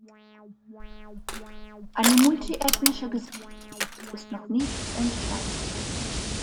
Eine multiethnische Gesellschaft ist noch nicht entstanden.